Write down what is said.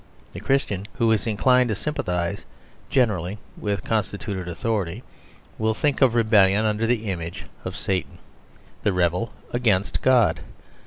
The Christian who is inclined to sympathise generally with constituted authority will think of rebellion under the image of Satan, the rebel against God.